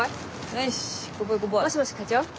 もしもし課長？